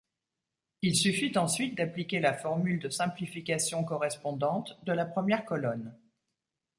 Il suffit ensuite d'appliquer la formule de simplification correspondante de la première colonne.